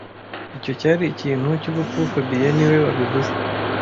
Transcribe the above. Icyo cyari ikintu cyubupfu fabien niwe wabivuze